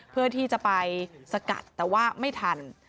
เพื่อที่จะไปสกัดแต่ว่าไม่ทัน